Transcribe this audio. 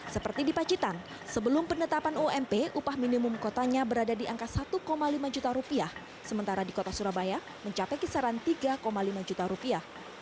seperti di pacitan sebelum penetapan ump upah minimum kotanya berada di angka satu lima juta rupiah sementara di kota surabaya mencapai kisaran tiga lima juta rupiah